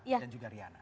dan juga riana